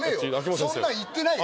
そんなん言ってないよ